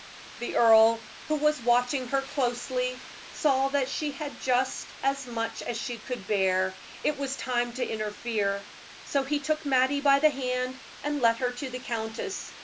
The earl, who was watching her closely, saw that she had just as much as she could bear it was time to interfere; so he took Mattie by the hand and led her to the countess.